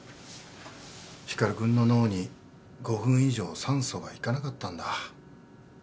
光君の脳に５分以上酸素がいかなかったんだ。